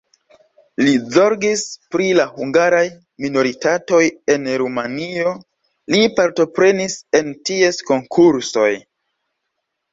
Li zorgis pri la hungaraj minoritatoj en Rumanio, li partoprenis en ties konkursoj.